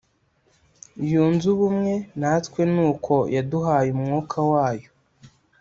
Yunze ubumwe natwe ni uko yaduhaye umwuka wayo